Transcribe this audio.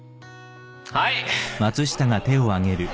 はい！